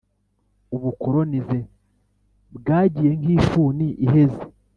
Ubukolonize bwagiye nk’ifuni iheze.